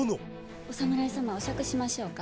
お侍様お酌しましょうか。